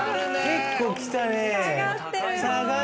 結構きたね。